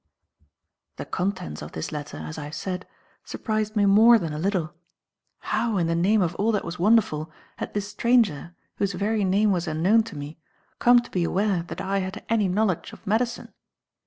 The contents of this letter, as I have said, surprised me more than a little. How, in the name of all that was wonderful, had this stranger, whose very name was unknown to me, come to be aware that I had any knowledge of medicine?